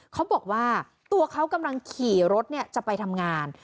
เขาบอกว่าตัวเขากำลังขี่รถจะไปทำงาน